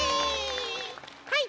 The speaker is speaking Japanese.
はい。